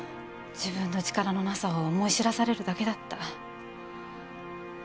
自分の力のなさを思い知らされるだけだった。